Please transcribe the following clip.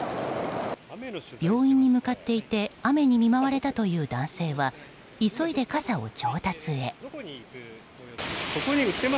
病院に向かっていて雨に見舞われたという男性は急いで傘を調達へ。